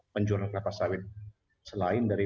penjualan kelapa sawit selain dari